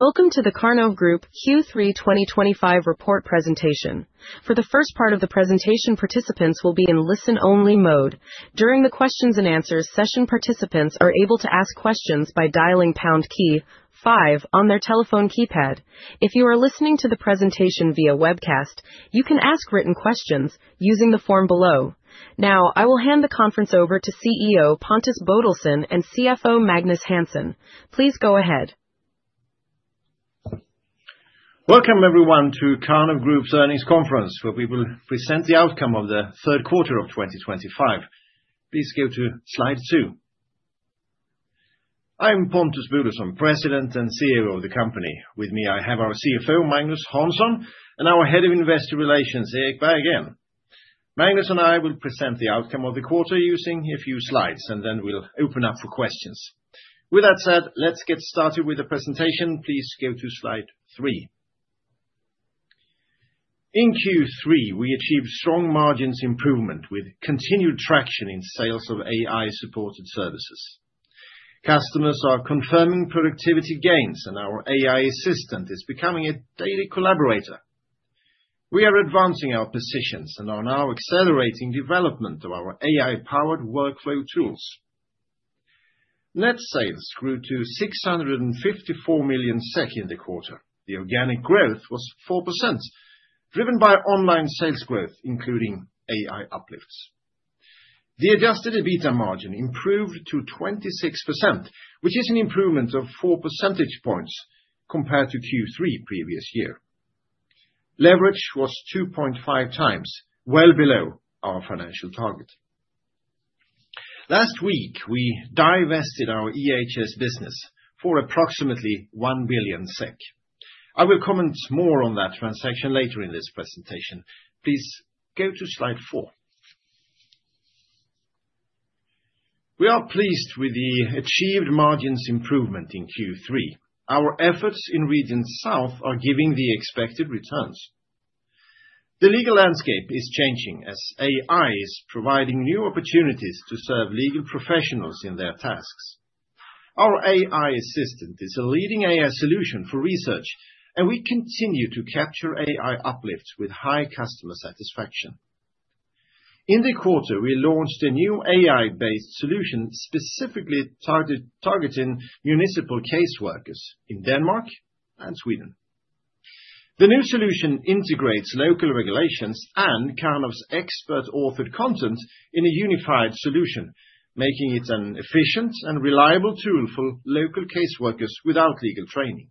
During the Q&A session, participants are able to ask questions by dialing pound key five on their telephone keypad. If you are listening to the presentation via webcast, you can ask written questions using the form below. Now, I will hand the conference over to CEO Pontus Bodelsson and CFO Magnus Hansson. Please go ahead. Welcome, everyone, to the Karnov Group's earnings conference, where we will present the outcome of the third quarter of 2025. Please go to slide two. I'm Pontus Bodelsson, President and CEO of the company. With me, I have our CFO, Magnus Hansson, and our Head of Investor Relations, Erik Berggren. Magnus and I will present the outcome of the quarter using a few slides, and then we'll open up for questions. With that said, let's get started with the presentation. Please go to slide three. In Q3, we achieved strong margins improvement with continued traction in sales of AI-supported services. Customers are confirming productivity gains, and our AI assistant is becoming a daily collaborator. We are advancing our positions and are now accelerating development of our AI-powered workflow tools. Net sales grew to 654 million SEK in the quarter. The organic growth was 4%, driven by online sales growth, including AI uplifts. The adjusted EBITDA margin improved to 26%, which is an improvement of 4 percentage points compared to Q3 previous year. Leverage was 2.5x, well below our financial target. Last week, we divested our EHS business for approximately 1 billion SEK. I will comment more on that transaction later in this presentation. Please go to slide four. We are pleased with the achieved margins improvement in Q3. Our efforts in Region South are giving the expected returns. The legal landscape is changing as AI is providing new opportunities to serve legal professionals in their tasks. Our AI assistant is a leading AI solution for research, and we continue to capture AI uplifts with high customer satisfaction. In the quarter, we launched a new AI-based solution specifically targeting municipal caseworkers in Denmark and Sweden. The new solution integrates local regulations and Karnov's expert-authored content in a unified solution, making it an efficient and reliable tool for local caseworkers without legal training.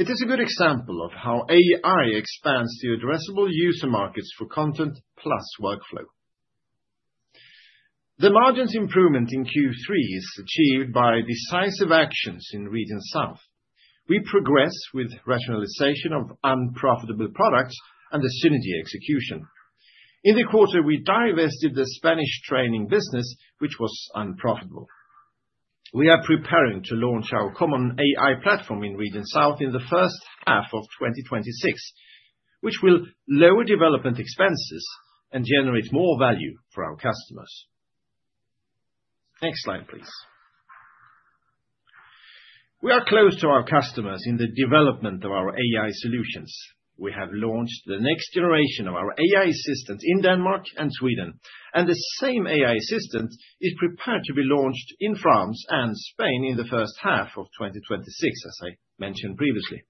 It is a good example of how AI expands to addressable user markets for content plus workflow. The margins improvement in Q3 is achieved by decisive actions in Region South. We progress with rationalization of unprofitable products and the synergy execution. In the quarter, we divested the Spanish training business, which was unprofitable. We are preparing to launch our common AI platform in Region South in the first half of 2026, which will lower development expenses and generate more value for our customers. Next slide, please. We are close to our customers in the development of our AI solutions. We have launched the next generation of our AI assistant in Denmark and Sweden, and the same AI assistant is prepared to be launched in France and Spain in the first half of 2026, as I mentioned previously.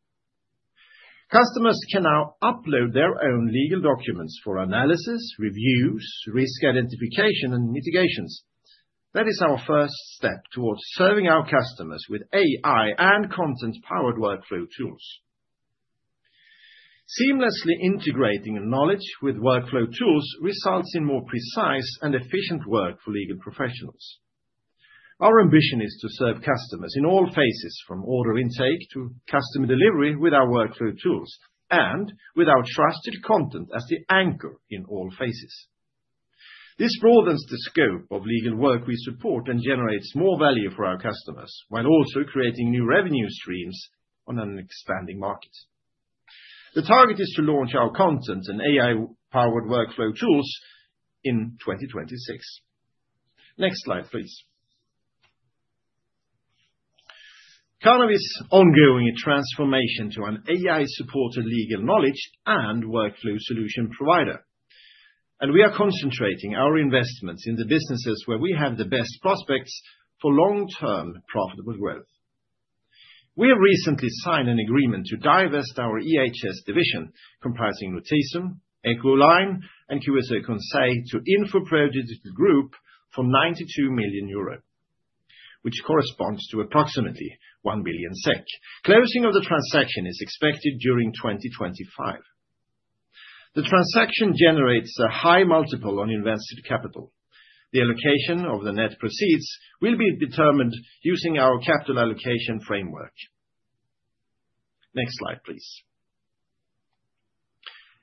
Customers can now upload their own legal documents for analysis, reviews, risk identification, and mitigations. That is our first step towards serving our customers with AI and content-powered workflow tools. Seamlessly integrating knowledge with workflow tools results in more precise and efficient work for legal professionals. Our ambition is to serve customers in all phases, from order intake to customer delivery, with our workflow tools and with our trusted content as the anchor in all phases. This broadens the scope of legal work we support and generates more value for our customers, while also creating new revenue streams on an expanding market. The target is to launch our content and AI-powered workflow tools in 2026. Next slide, please. Karnov is ongoing a transformation to an AI-supported legal knowledge and workflow solution provider, and we are concentrating our investments in the businesses where we have the best prospects for long-term profitable growth. We have recently signed an agreement to divest our EHS division, comprising Notisum, Echoline, and QSE Conseil, to Infopro Digital Group for 92 million euro, which corresponds to approximately 1 billion SEK. Closing of the transaction is expected during 2025. The transaction generates a high multiple on invested capital. The allocation of the net proceeds will be determined using our capital allocation framework. Next slide, please.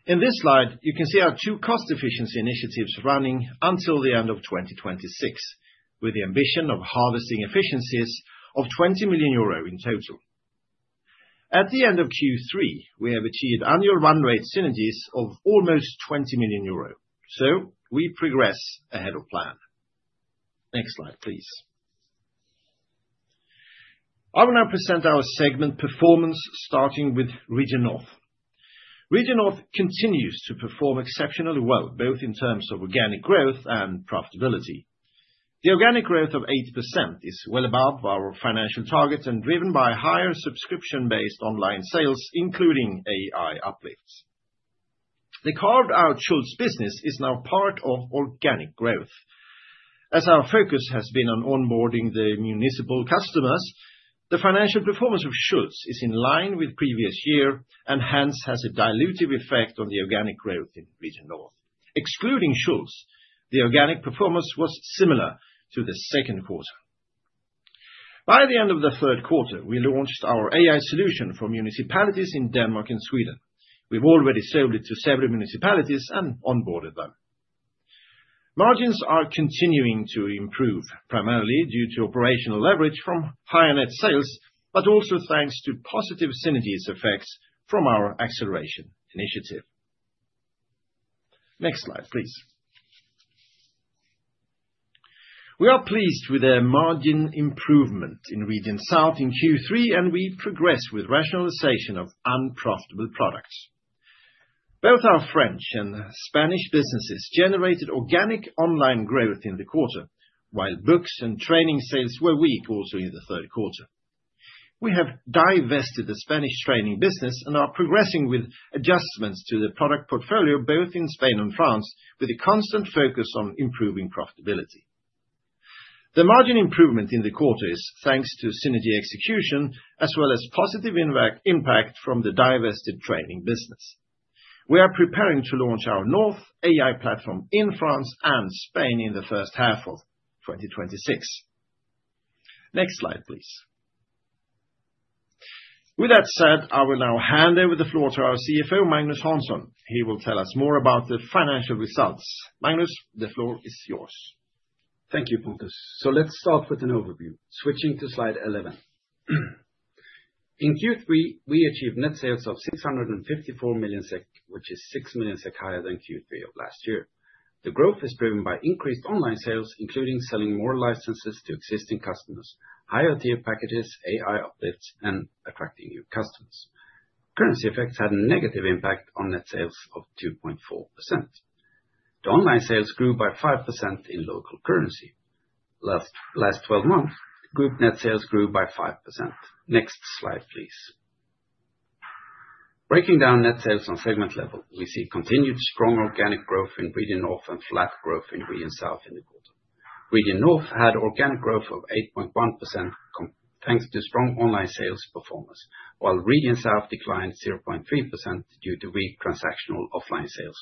In this slide, you can see our two cost efficiency initiatives running until the end of 2026, with the ambition of harvesting efficiencies of 20 million euro in total. At the end of Q3, we have achieved annual run rate synergies of almost 20 million euro, so we progress ahead of plan. Next slide, please. I will now present our segment performance, starting with Region North. Region North continues to perform exceptionally well, both in terms of organic growth and profitability. The organic growth of 8% is well above our financial target and driven by higher subscription-based online sales, including AI uplifts. The carved-out Schultz business is now part of organic growth. As our focus has been on onboarding the municipal customers, the financial performance of Schultz is in line with the previous year and hence has a dilutive effect on the organic growth in Region North. Excluding Schultz, the organic performance was similar to the second quarter. By the end of the third quarter, we launched our AI solution for municipalities in Denmark and Sweden. We've already sold it to several municipalities and onboarded them. Margins are continuing to improve, primarily due to operational leverage from higher net sales, but also thanks to positive synergies effects from our acceleration initiative. Next slide, please. We are pleased with the margin improvement in Region South in Q3, and we progress with rationalization of unprofitable products. Both our French and Spanish businesses generated organic online growth in the quarter, while books and training sales were weak also in the third quarter. We have divested the Spanish training business and are progressing with adjustments to the product portfolio both in Spain and France, with a constant focus on improving profitability. The margin improvement in the quarter is thanks to synergy execution as well as positive impact from the divested training business. We are preparing to launch our North AI platform in France and Spain in the first half of 2026. Next slide, please. With that said, I will now hand over the floor to our CFO, Magnus Hansson. He will tell us more about the financial results. Magnus, the floor is yours. Thank you, Pontus. Let's start with an overview, switching to slide 11. In Q3, we achieved net sales of 654 million SEK, which is 6 million SEK higher than Q3 of last year. The growth is driven by increased online sales, including selling more licenses to existing customers, higher tier packages, AI uplifts, and attracting new customers. Currency effects had a negative impact on net sales of 2.4%. The online sales grew by 5% in local currency. Last 12 months, group net sales grew by 5%. Next slide, please. Breaking down net sales on segment level, we see continued strong organic growth in Region North and flat growth in Region South in the quarter. Region North had organic growth of 8.1% thanks to strong online sales performance, while Region South declined 0.3% due to weak transactional offline sales,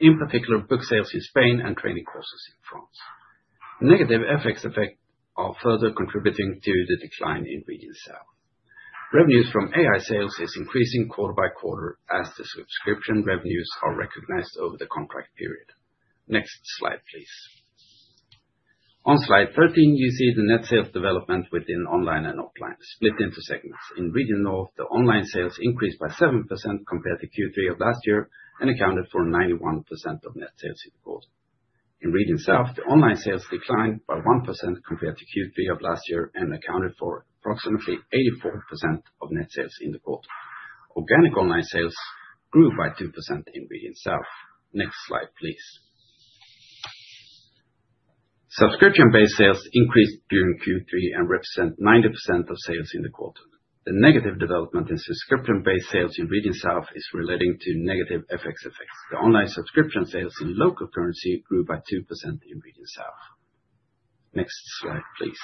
in particular book sales in Spain and training courses in France. Negative FX effects are further contributing to the decline in Region South. Revenues from AI sales are increasing quarter by quarter as the subscription revenues are recognized over the contract period. Next slide, please. On slide 13, you see the net sales development within online and offline split into segments. In Region North, the online sales increased by 7% compared to Q3 of last year and accounted for 91% of net sales in the quarter. In Region South, the online sales declined by 1% compared to Q3 of last year and accounted for approximately 84% of net sales in the quarter. Organic online sales grew by 2% in Region South. Next slide, please. Subscription-based sales increased during Q3 and represent 90% of sales in the quarter. The negative development in subscription-based sales in Region South is relating to negative FX effects. The online subscription sales in local currency grew by 2% in Region South. Next slide, please.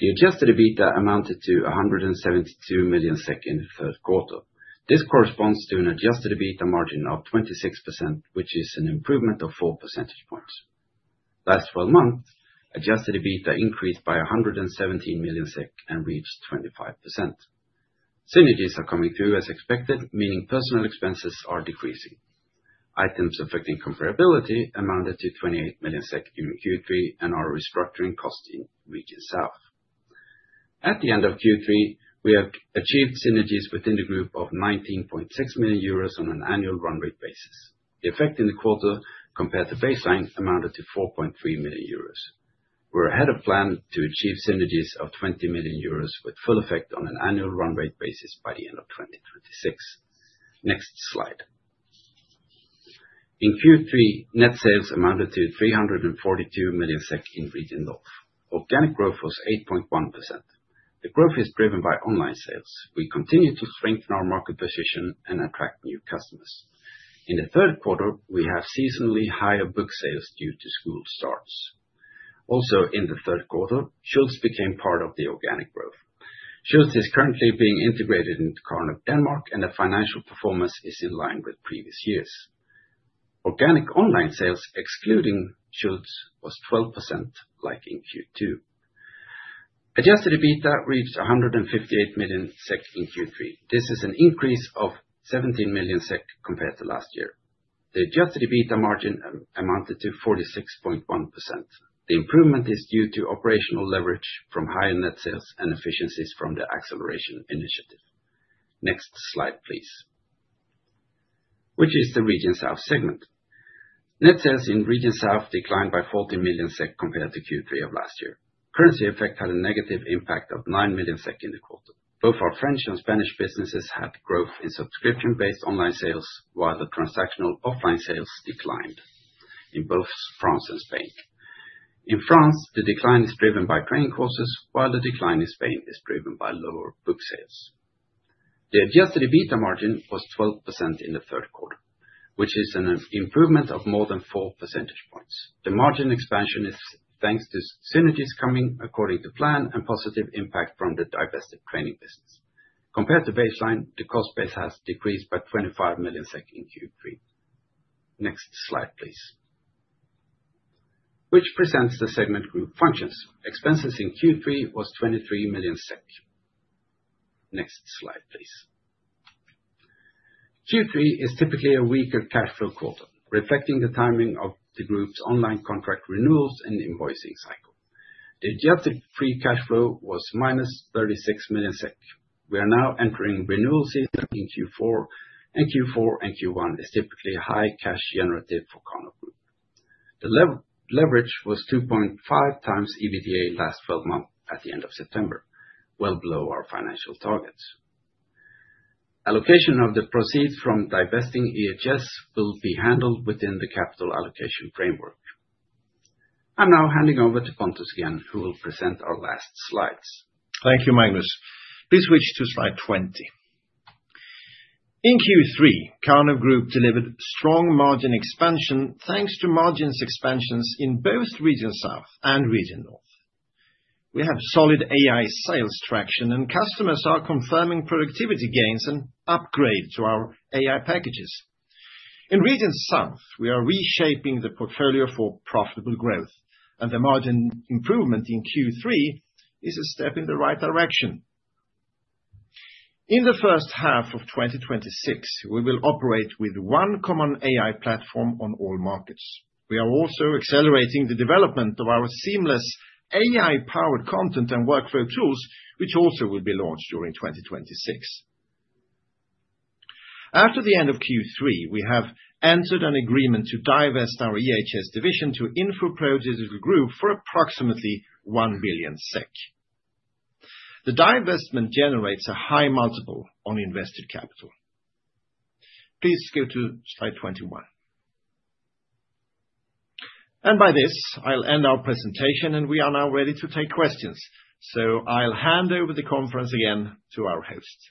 The adjusted EBITDA amounted to 172 million in the third quarter. This corresponds to an adjusted EBITDA margin of 26%, which is an improvement of 4 percentage points. Last 12 months, adjusted EBITDA increased by 117 million SEK and reached 25%. Synergies are coming through as expected, meaning personal expenses are decreasing. Items affecting comparability amounted to 28 million SEK during Q3 and are restructuring costs in Region South. At the end of Q3, we have achieved synergies within the group of 19.6 million euros on an annual run rate basis. The effect in the quarter compared to baseline amounted to 4.3 million euros. We're ahead of plan to achieve synergies of 20 million euros with full effect on an annual run rate basis by the end of 2026. Next slide. In Q3, net sales amounted to 342 million SEK in Region North. Organic growth was 8.1%. The growth is driven by online sales. We continue to strengthen our market position and attract new customers. In the third quarter, we have seasonally higher book sales due to school starts. Also, in the third quarter, Schultz became part of the organic growth. Schultz is currently being integrated into Karnov Denmark, and the financial performance is in line with previous years. Organic online sales, excluding Schultz, was 12%, like in Q2. Adjusted EBITDA reached 158 million SEK in Q3. This is an increase of 17 million SEK compared to last year. The adjusted EBITDA margin amounted to 46.1%. The improvement is due to operational leverage from higher net sales and efficiencies from the acceleration initiative. Next slide, please. Which is the Region South segment. Net sales in Region South declined by 40 million SEK compared to Q3 of last year. Currency effect had a negative impact of 9 million SEK in the quarter. Both our French and Spanish businesses had growth in subscription-based online sales, while the transactional offline sales declined in both France and Spain. In France, the decline is driven by training courses, while the decline in Spain is driven by lower book sales. The adjusted EBITDA margin was 12% in the third quarter, which is an improvement of more than 4 percentage points. The margin expansion is thanks to synergies coming according to plan and positive impact from the divested training business. Compared to baseline, the cost base has decreased by 25 million SEK in Q3. Next slide, please. Which presents the segment group functions. Expenses in Q3 was 23 million SEK. Next slide, please. Q3 is typically a weaker cash flow quarter, reflecting the timing of the group's online contract renewals and invoicing cycle. The adjusted free cash flow was minus 36 million SEK. We are now entering renewal season in Q4, and Q4 and Q1 is typically a high cash generative for Karnov Group. The leverage was 2.5x EBITDA last 12 months at the end of September, well below our financial targets. Allocation of the proceeds from divesting EHS will be handled within the capital allocation framework. I'm now handing over to Pontus again, who will present our last slides. Thank you, Magnus. Please switch to slide 20. In Q3, Karnov Group delivered strong margin expansion thanks to margins expansions in both Region South and Region North. We have solid AI sales traction, and customers are confirming productivity gains and upgrades to our AI packages. In Region South, we are reshaping the portfolio for profitable growth, and the margin improvement in Q3 is a step in the right direction. In the first half of 2026, we will operate with one common AI platform on all markets. We are also accelerating the development of our seamless AI-powered content and workflow tools, which also will be launched during 2026. After the end of Q3, we have entered an agreement to divest our EHS division to Infopro Digital Group for 1 billion SEK. The divestment generates a high multiple on invested capital. Please go to slide 21. By this, I'll end our presentation, and we are now ready to take questions. I'll hand over the conference again to our host.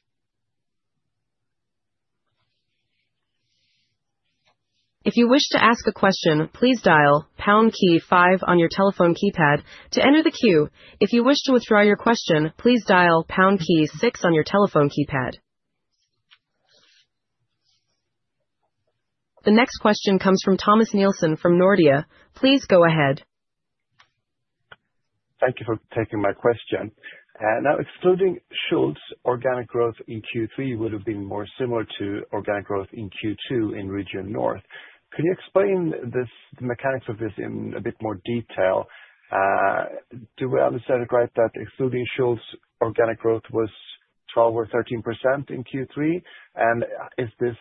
If you wish to ask a question, please dial pound key five on your telephone keypad to enter the queue. If you wish to withdraw your question, please dial pound key six on your telephone keypad. The next question comes from Thomas Nielsen from Nordea. Please go ahead. Thank you for taking my question. Now, excluding Schultz, organic growth in Q3 would have been more similar to organic growth in Q2 in Region North. Could you explain the mechanics of this in a bit more detail? Do I understand it right that excluding Schultz, organic growth was 12% or 13% in Q3? Is this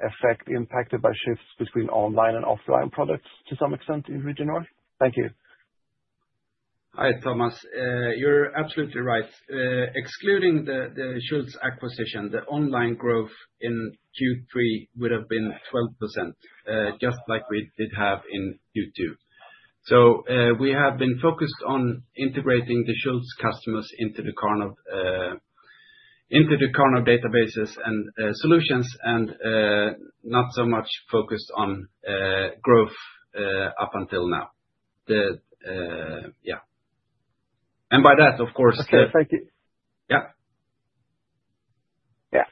effect impacted by shifts between online and offline products to some extent in Region North? Thank you. Hi, Thomas. You're absolutely right. Excluding the Schultz acquisition, the online growth in Q3 would have been 12%, just like we did have in Q2. We have been focused on integrating the Schultz customers into the Karnov databases and solutions and not so much focused on growth up until now. Yeah. By that, of course. Okay, thank you. Yeah. Yeah.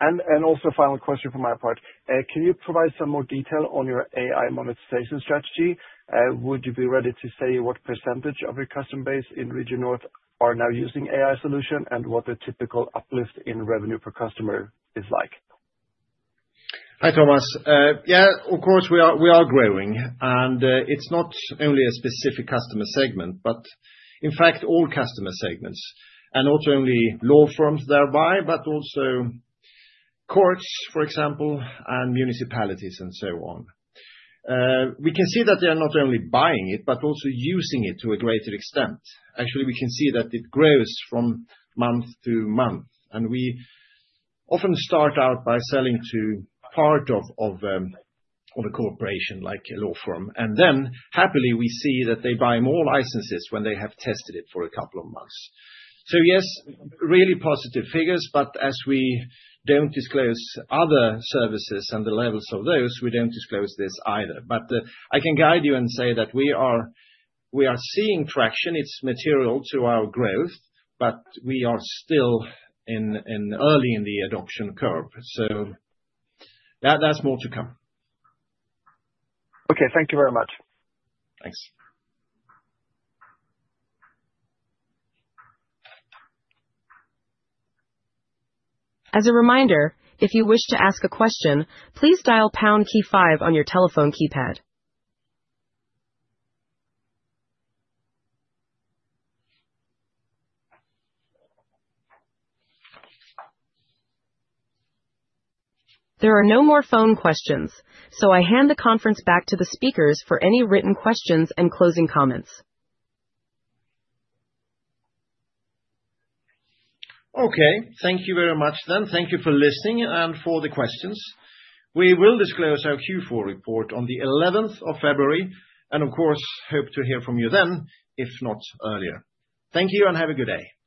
Also, final question from my part. Can you provide some more detail on your AI monetization strategy? Would you be ready to say what percentage of your customer base in Region North are now using AI solution and what the typical uplift in revenue per customer is like? Hi, Thomas. Yeah, of course, we are growing, and it's not only a specific customer segment, but in fact, all customer segments, and not only law firms thereby, but also courts, for example, and municipalities and so on. We can see that they are not only buying it, but also using it to a greater extent. Actually, we can see that it grows from month to month, and we often start out by selling to part of a corporation like a law firm, and then happily we see that they buy more licenses when they have tested it for a couple of months. Yes, really positive figures, but as we do not disclose other services and the levels of those, we do not disclose this either. I can guide you and say that we are seeing traction. It's material to our growth, but we are still early in the adoption curve. That's more to come. Okay, thank you very much. Thanks. As a reminder, if you wish to ask a question, please dial pound key five on your telephone keypad. There are no more phone questions, so I hand the conference back to the speakers for any written questions and closing comments. Okay, thank you very much then. Thank you for listening and for the questions. We will disclose our Q4 report on the 11th of February and, of course, hope to hear from you then, if not earlier. Thank you and have a good day. Thank you.